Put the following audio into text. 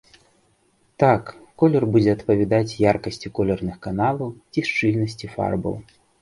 Так, колер будзе адпавядаць яркасці колерных каналаў ці шчыльнасці фарбаў.